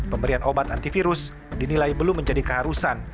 pemberian obat antivirus dinilai belum menjadi keharusan